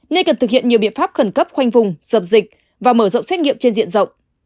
nên cần thực hiện nhiều biện pháp khẩn cấp khoanh vùng dập dịch và mở rộng xét nghiệm trên diện rộng